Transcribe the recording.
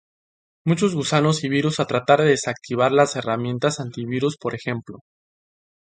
Muchos gusanos y virus a tratar de desactivar las herramientas anti-virus, por ejemplo.